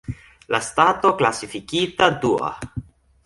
La stato klasifikita dua.